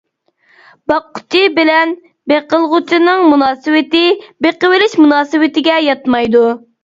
باققۇچى بىلەن بېقىلغۇچىنىڭ مۇناسىۋىتى بېقىۋېلىش مۇناسىۋىتىگە ياتمايدۇ.